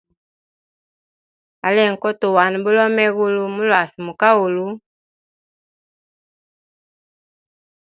Alenge kohutuwana bulomo egulu, mulwasi muli kahulu.